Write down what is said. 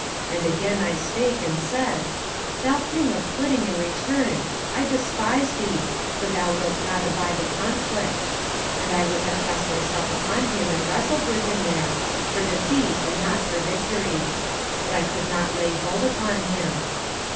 And again I spake and said: Thou thing of flitting and return, I despise thee, for thou wilt not abide the conflict. And I would have cast myself upon him and wrestled with him there, for defeat and not for victory. But I could not lay hold upon him.